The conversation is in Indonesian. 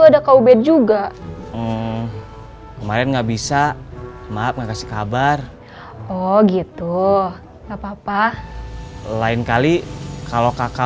kakak ubed juga kemarin nggak bisa maaf kasih kabar oh gitu nggak papa lain kali kalau kakak